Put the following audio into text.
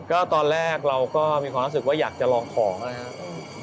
ก็ตอนแรกเราก็มีความรู้สึกว่าอยากจะลองของนะครับ